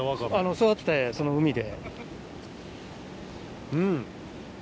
育ててその海で。